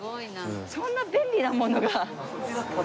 そんな便利なものが。